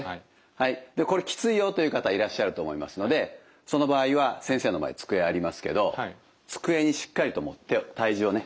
はいでこれきついよという方いらっしゃると思いますのでその場合は先生の前机ありますけど机にしっかりと体重をね